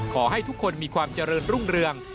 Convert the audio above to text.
ขอให้ทุกคนมีความเจริญรุ่งเรือง